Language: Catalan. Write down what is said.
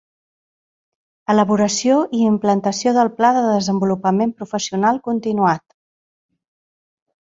Elaboració i implantació del Pla de desenvolupament professional continuat.